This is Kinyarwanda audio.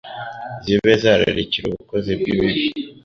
zibe zararikira ubukozi bw’ibibi